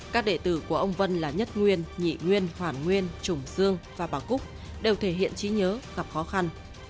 các đệ tử của ông vân là nhất nguyên nhị nguyên hoàn nguyên trùng dương và bà cúc đều thể hiện trí nhớ gặp khó khăn